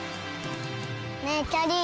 ねえきゃりー